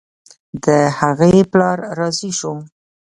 د هغې پلار راضي شو.